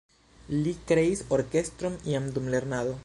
Li kreis orkestron jam dum lernado.